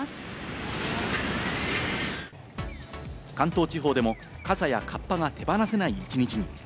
関東地方でも傘やカッパが手放せない一日に。